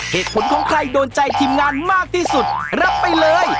เหตุผลของใครโดนใจทีมงานมากที่สุดรับไปเลย